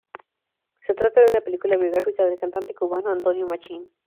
Se trata de una película biográfica del cantante cubano Antonio Machín.